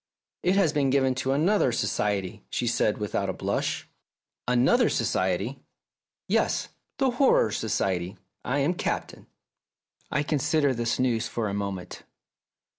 "It has been given to another society," she said without a blush. "Another society?" "Yes, the Horror Society. I am Captain." I considered this news for a moment.